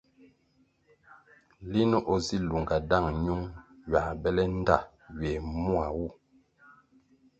Linʼ o si lunga dang nyiung ywā bele ndta ywe yi mua wu.